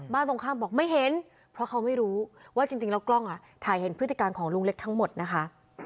ตรงข้ามบอกไม่เห็นเพราะเขาไม่รู้ว่าจริงแล้วกล้องถ่ายเห็นพฤติการของลุงเล็กทั้งหมดนะคะ